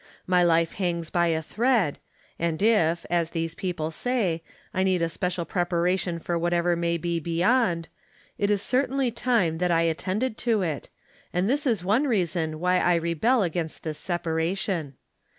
My life hangs by a thread, and if, as these peoj)le say, I need a special preparation for what ever may be beyond, it is certainly time that I attended to it, and. tMs is one reason why I rebel against this separation.